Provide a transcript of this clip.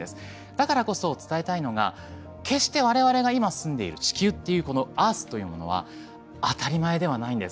だからこそ伝えたいのが決して我々が今住んでいる地球っていうこの「Ｅａｒｔｈ」というものは当たり前ではないんです。